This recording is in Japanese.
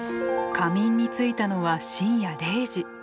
仮眠についたのは深夜０時。